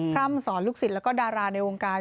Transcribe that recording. ร่ำสอนลูกศิษย์แล้วก็ดาราในวงการ